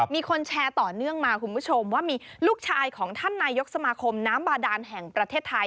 มีคนแชร์ต่อเนื่องมาคุณผู้ชมว่ามีลูกชายของท่านนายกสมาคมน้ำบาดานแห่งประเทศไทย